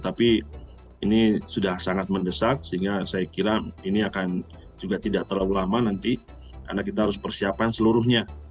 tapi ini sudah sangat mendesak sehingga saya kira ini akan juga tidak terlalu lama nanti karena kita harus persiapkan seluruhnya